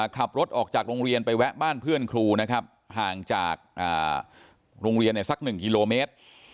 ขับรถออกจากโรงเรียนไปแวะบ้านเพื่อนครูนะครับห่างจากโรงเรียนสัก๑กิโลเมตร